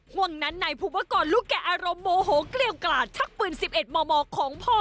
ห่วงนั้นนายภูปกรลูกแก่อารมณ์โมโหเกลี้ยวกลาดชักปืน๑๑มมของพ่อ